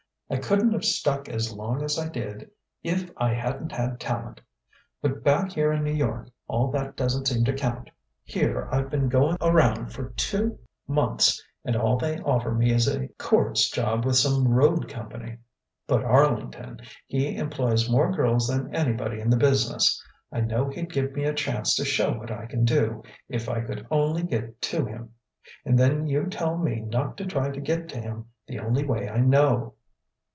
I couldn't've stuck as long as I did if I hadn't had talent.... But back here in New York, all that doesn't seem to count. Here I've been going around for two months, and all they offer me is a chorus job with some road company. But Arlington ... he employs more girls than anybody in the business. I know he'd give me a chance to show what I can do, if I could only get to him. And then you tell me not to try to get to him the only way I know."